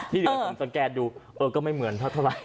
ที่เดี๋ยวผมสังเกตดูเออก็ไม่เหมือนเท่าไหร่